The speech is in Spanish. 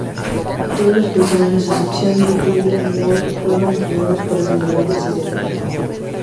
Todos los personajes a excepción de Julianne Moore, fueron entrenados para simular la ceguera.